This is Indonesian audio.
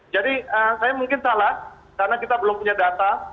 jadi saya mungkin salah karena kita belum punya data